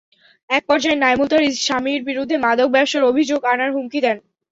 একপর্যায়ে নইমুল তাঁর স্বামীর বিরুদ্ধে মাদক ব্যবসার অভিযোগ আনার হুমকি দেন।